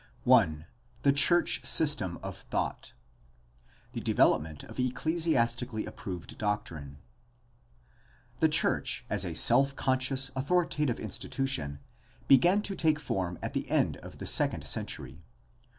I. THE CHURCH SYSTEM OF THOUGHT The development of ecclesiastically approved doctrine. — The church, as a self conscious, authoritative institution, began to take form at the end of the second century.